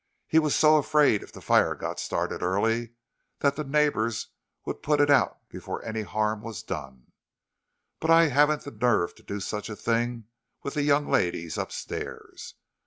"He was so afraid if the fire got started early that the neighbors would put it out before any harm was done. But I haven't the nerve to do such a thing with the young ladies up stairs.